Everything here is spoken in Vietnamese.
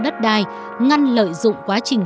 đất đai ngăn lợi dụng quá trình